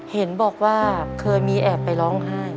เห็นบอกว่าเคยมีแอบไปร้องไห้